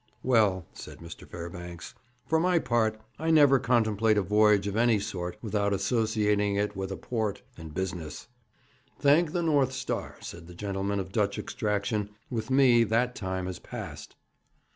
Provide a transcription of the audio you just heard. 'Well,' said Mr. Fairbanks, 'for my part I never could contemplate a voyage of any sort without associating it with a port and business.' 'Thank the North Star,' said the gentleman of Dutch extraction, 'with me that time has passed!'